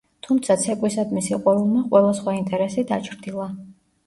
თუმცა ცეკვისადმი სიყვარულმა ყველა სხვა ინტერესი დაჩრდილა.